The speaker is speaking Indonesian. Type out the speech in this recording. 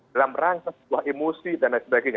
dalam rangka sebuah emosi dan lain sebagainya